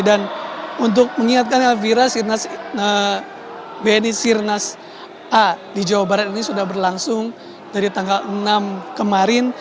dan untuk mengingatkan elvira bni sirkuit nasional a dua ribu dua puluh tiga di jawa barat ini sudah berlangsung dari tanggal enam kemarin